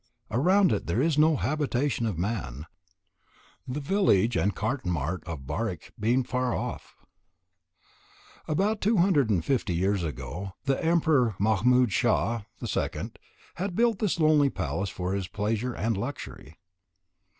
Around it there is no habitation of man the village and the cotton mart of Barich being far off. About 250 years ago the Emperor Mahmud Shah II. had built this lonely palace for his pleasure and luxury.